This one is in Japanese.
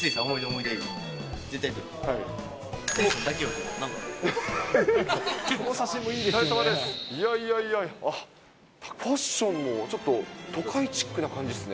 いやいやいや、ファッションもちょっと、都会チックな感じですね。